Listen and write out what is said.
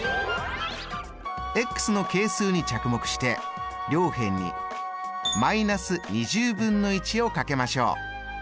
の係数に着目して両辺にーをかけましょう。